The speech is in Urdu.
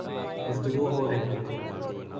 گفتگو ہو رہی تھی